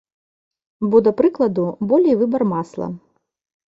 Бо, да прыкладу, болей выбар масла!